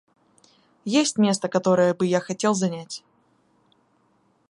Есть место, которое бы я хотел занять.